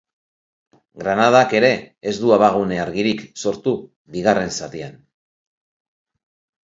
Granadak ere ez du abagune argirik sortu bigarren zatian.